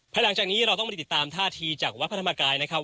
หลังจากนี้เราต้องมาติดตามท่าทีจากวัดพระธรรมกายนะครับ